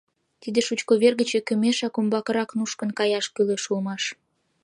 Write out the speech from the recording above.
Тиде шучко вер гыч ӧкымешак умбакырак нушкын каяш кӱлеш улмаш...